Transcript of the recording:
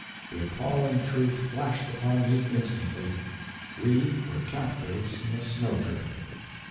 The appalling truth flashed upon me instantly we were captives in a snow drift!